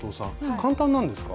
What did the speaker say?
簡単なんですか？